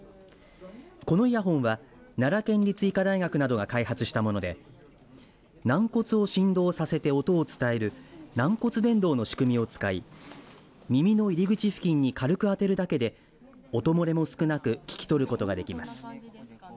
このイヤホンは奈良県立医科大学などが開発したもので軟骨を振動させて音を伝える軟骨伝導の仕組みを使い耳の入り口付近に軽く当てるだけで音漏れも少なく聞き取ることができます。